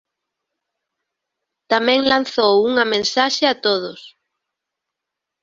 Tamén lanzou unha mensaxe a todos.